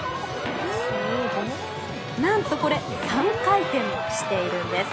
なんとこれ３回転しているんです。